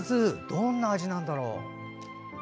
どんな味なんだろう。